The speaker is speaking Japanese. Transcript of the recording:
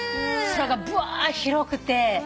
空がぶわっ広くて。